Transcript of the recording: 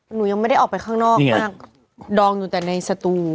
หนูยังไม่ได้ออกไปข้างนอกมากดองอยู่แต่ในสตู